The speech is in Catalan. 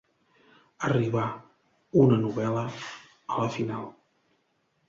Arribar, una novel·la, a la final.